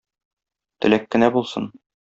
Теләк кенә булсын.